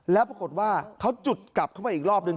แล้วปรากฏว่าเขาจุดกลับเข้าไปอีกรอบหนึ่ง